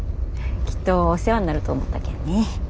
きっとお世話になると思ったけんね。